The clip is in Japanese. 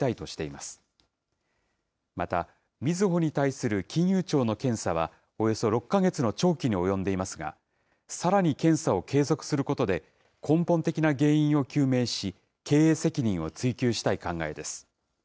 また、みずほに対する金融庁の検査はおよそ６か月の長期に及んでいますが、さらに検査を継続することで、根本的な原因を究明し、経営責任を追及したい考えです。